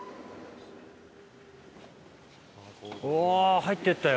おぉ入ってったよ。